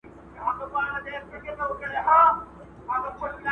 که د یتیمانو پالنه وسي، نو هغوی له میني نه بې برخې کیږي.